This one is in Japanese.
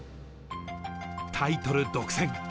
タイトル独占。